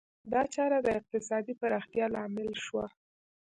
دا چاره د اقتصادي پراختیا لامل شوه.